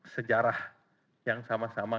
sejarah yang sama sama